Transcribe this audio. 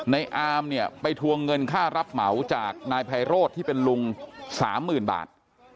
อามเนี่ยไปทวงเงินค่ารับเหมาจากนายไพโรธที่เป็นลุง๓๐๐๐บาท